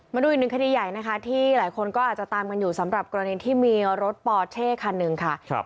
มาดูอีกหนึ่งคดีใหญ่นะคะที่หลายคนก็อาจจะตามกันอยู่สำหรับกรณีที่มีรถปอเท่คันหนึ่งค่ะ